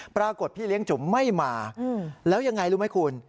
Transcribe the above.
ปรากฏพี่เลี้ยงจุ๋มไม่มาแล้วยังไงรู้ไหมคุณ